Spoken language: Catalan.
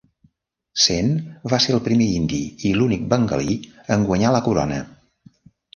Sen va ser el primer indi i l'únic bengalí en guanyar la corona.